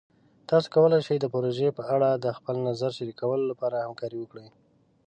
تاسو کولی شئ د پروژې په اړه د خپل نظر شریکولو لپاره همکاري وکړئ.